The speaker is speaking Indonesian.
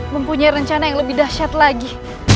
mempunyai rencana yang lebih dahsyat lagi